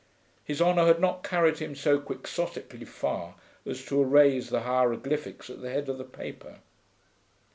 His honour had not carried him so quixotically far as to erase the hieroglyphics at the head of the paper.